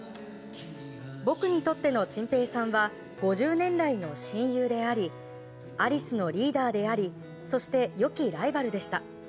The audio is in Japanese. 僕にとってのチンペイさんは５０年来の親友でありアリスのリーダーでありそして良きライバルでした。